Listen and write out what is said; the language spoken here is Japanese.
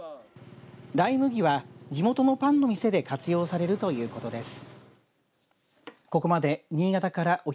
ライ麦は地元のパンの店で活用されるということです。